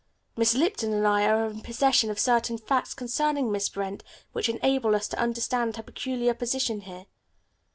Miss Lipton and I are in possession of certain facts concerning Miss Brent which enable us to understand her peculiar position here.